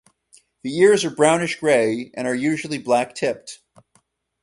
The ears are brownish-gray and are usually black-tipped.